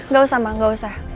gak usah sama gak usah